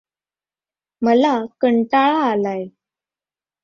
मला कंटाळा आलाय.